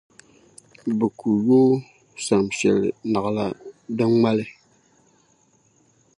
Bɛ ku yo o sam shɛli naɣila din ŋmali.